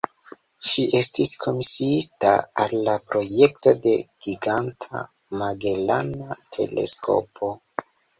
Ŝi estis komisiita al la projekto de Giganta Magelana Teleskopo.